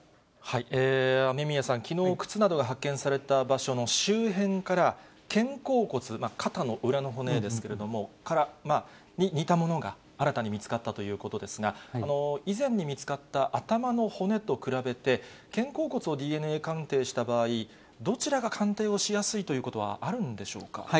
雨宮さん、きのう靴などが発見された場所の周辺から、肩甲骨、肩の裏の骨に似たものが、新たに見つかったということですが、以前に見つかった頭の骨と比べて、肩甲骨をＤＮＡ鑑定した場合、どちらが鑑定をしやすいということはあるんでしょうか。